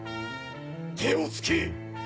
手をつけ！